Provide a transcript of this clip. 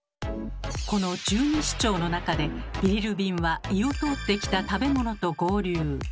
この十二指腸の中でビリルビンは胃を通ってきた食べ物と合流。